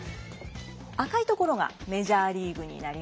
赤い所がメジャーリーグになります。